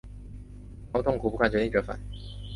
然后痛苦不堪决定折返